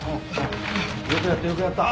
よくやったよくやった。